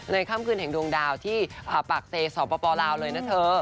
ค่ำคืนแห่งดวงดาวที่ปากเซสปลาวเลยนะเธอ